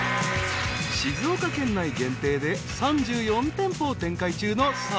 ［静岡県内限定で３４店舗を展開中のさわやか］